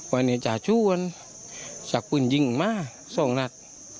ว่าเนี่ยจ่าชู้มันชักปืนยิงมาสองนัด